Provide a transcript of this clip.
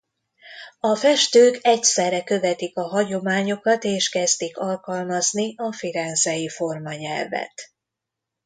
A festők egyszerre követik a hagyományokat és kezdik alkalmazni a firenzei formanyelvet.